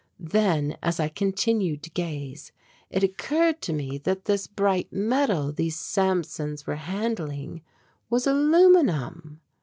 Then as I continued to gaze it occurred to me that this bright metal these Samsons were handling was aluminum!